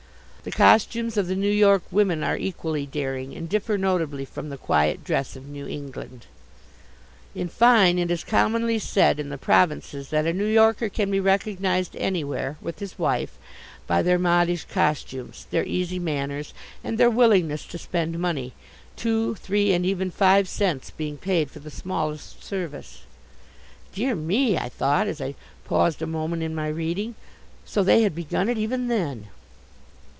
The costumes of the New York women are equally daring, and differ notably from the quiet dress of New England. "In fine, it is commonly said in the provinces that a New Yorker can be recognized anywhere, with his wife, by their modish costumes, their easy manners and their willingness to spend money two, three and even five cents being paid for the smallest service." "Dear me," I thought, as I paused a moment in my reading, "so they had begun it even then."